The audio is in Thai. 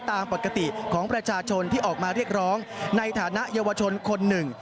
ตามปกติของประชาชนที่ออกมาเรียกร้องในฐานะเยาวชนคนหนึ่ง